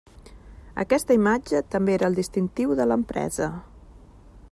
Aquesta imatge també era el distintiu de l'empresa.